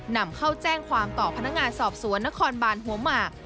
นำเข้าแจ้งความต่อพนักงานสอบสวนนครบานหัวหมาก